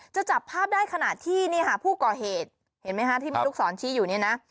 จะจับภาพได้ขนาดที่ผู้ก่อเหตุเห็นไหมคะที่ลูกสอนชี้อยู่นี่นะ